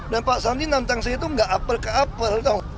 dan pak sandi nantang saya itu nggak apel ke apel dong